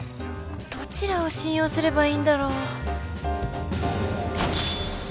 どちらを信用すればいいんだろう。